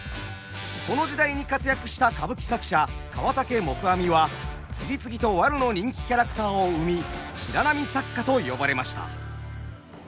この時代に活躍した歌舞伎作者河竹黙阿弥は次々とワルの人気キャラクターを生み白浪作家と呼ばれました。